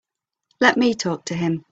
Let me talk to him.